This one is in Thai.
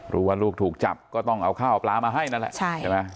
รู้ว่าลูกถูกจับก็ต้องเอาข้าวเอาปลามาให้นั่นแหละใช่ไหม